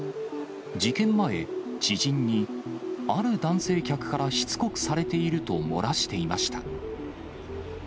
事件前、知人に、ある男性客からしつこくされていると漏らしていました。